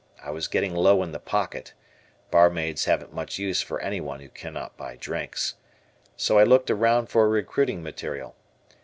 I was getting low in the pocket barmaids haven't much use for anyone who cannot buy drinks so I looked around for recruiting material.